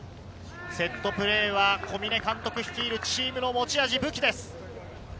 セットプレーは小嶺監督率いるチームの武器です。